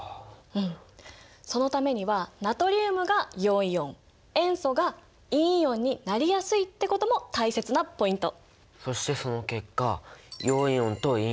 うんそのためにはナトリウムが陽イオン塩素が陰イオンになりやすいってことも大切なポイント。